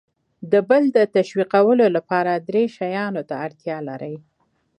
د بل د تشویقولو لپاره درې شیانو ته اړتیا لر ئ :